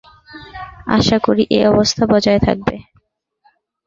আশা করি, এ অবস্থা বজায় থাকবে।